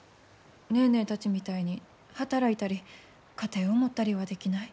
ネーネーたちみたいに働いたり家庭を持ったりはできない。